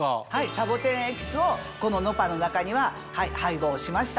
サボテンエキスをこのｎｏｐａの中には配合しました。